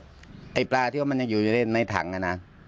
ไอ้ปลาที่ว่ามันยังอยู่ในถังนะ